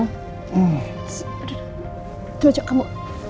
tunggu sekejap kamu